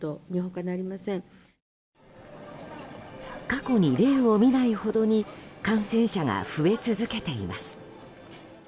過去に例を見ないほどに感染者が増え続けています。